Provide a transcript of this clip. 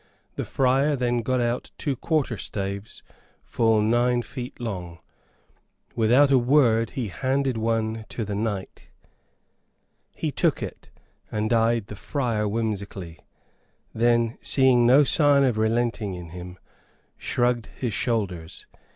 The friar then got out two quarter staves, full nine feet long. Without a word he handed one to the knight. He took it, and eyed the friar whimsically; then, seeing no sign of relenting in him, shrugged his shoulders.